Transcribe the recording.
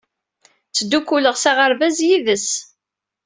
Ttdukkuleɣ s aɣerbaz yid-s.